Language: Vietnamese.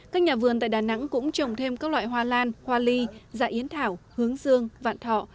các nhà vườn tại đà nẵng cũng trồng thêm các loại hoa lan hoa ly dạ yến thảo hướng dương vạn thọ